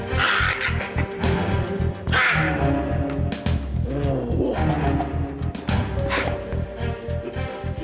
gak akan hasil